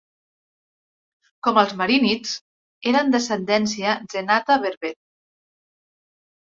Com els Marinids, eren d'ascendència Zenata Berber.